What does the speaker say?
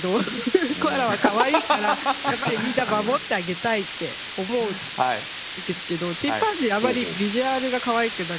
コアラはかわいいからやっぱりみんな守ってあげたいって思うんですけどチンパンジーあまりビジュアルがかわいくなくて。